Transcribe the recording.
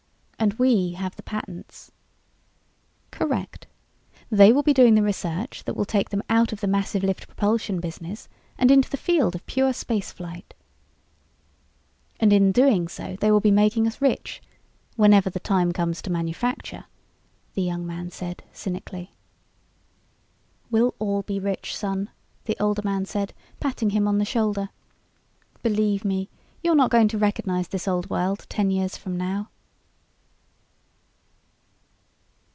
"And we have the patents...." "Correct. They will be doing the research that will take them out of the massive lift propulsion business and into the field of pure space flight." "And in doing so they will be making us rich whenever the time comes to manufacture," the young man said cynically. "We'll all be rich, son," the older man said, patting him on the shoulder. "Believe me, you're not going to recognize this old world ten years from now."